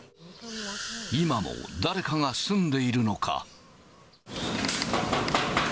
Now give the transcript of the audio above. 今も誰かが住んでいるのか。